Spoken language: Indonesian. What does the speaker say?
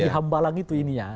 sebetulnya di hambalang itu ini ya